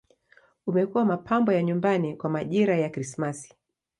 Umekuwa mapambo ya nyumbani kwa majira ya Krismasi.